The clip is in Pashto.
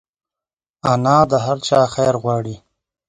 انا د هر چا خیر غواړي